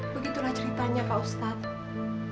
begitulah ceritanya kak ustadz